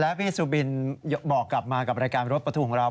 พี่สุบินบอกกลับมากับรายการรถประทุกข์ของเรา